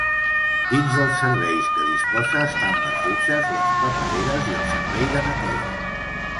Dins dels serveis que disposa estan les dutxes, les papereres i el servei de neteja.